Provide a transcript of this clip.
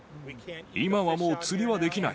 今はもう釣りはできない。